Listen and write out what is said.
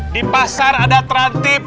di pasar ada terantip